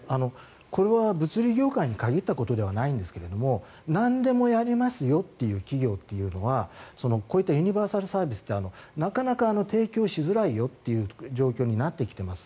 これは物流業界に限ったことではないんですがなんでもやりますよという企業というのはこういったユニバーサルサービスってなかなか提供しづらいという状況になってきています。